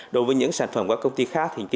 đối với những sản phẩm của các công ty khác